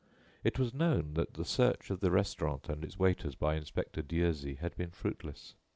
It was known that the search of the restaurant and its waiters by Inspector Dieuzy had been fruitless.